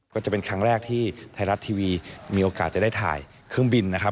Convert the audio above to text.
ก็จะเป็นครั้งแรกที่ไทยรัฐทีวีมีโอกาสจะได้ถ่ายเครื่องบินนะครับ